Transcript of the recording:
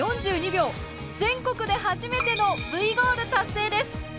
全国で初めてのＶゴール達成です！